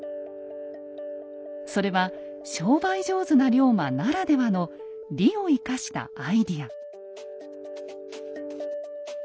それは商売上手な龍馬ならではの「利」を生かしたアイデア。